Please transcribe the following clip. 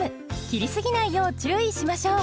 切りすぎないよう注意しましょう。